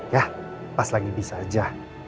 ya pas lagi bisa aja